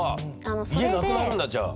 家なくなるんだじゃあ。